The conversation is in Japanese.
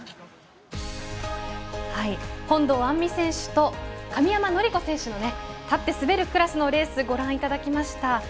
本堂杏実選手と神山則子選手の立って滑るクラスのレースをご覧いただきました。